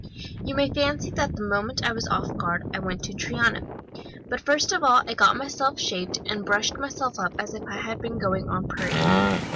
"You may fancy that the moment I was off guard I went to Triana; but first of all I got myself shaved and brushed myself up as if I had been going on parade.